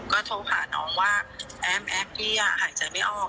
ก็โทรหาน้องว่าแอมแอฟกพี่หายใจไม่ออก